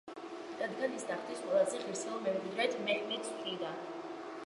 რადგან ის ტახტის ყველაზე ღირსეულ მემკვიდრედ მეჰმედს თვლიდა.